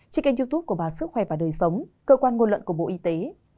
trên kênh youtube của bà sức khỏe và đời sống cơ quan ngôn luận của bộ y tế